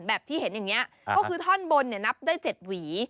แบบที่เห็นอย่างนี้ก็คือท่อนบนนับได้๗หวี